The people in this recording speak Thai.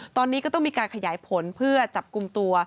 ตอนนี้ก็ต้องมีการขยายผลเพื่อจับกลุ่มตัว